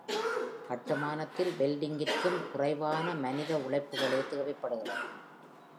கட்டுமானத்தில் வெல்டிங்கிற்கும் குறைவான மணித உழைப்புகளே தேவைப்படுகிறது.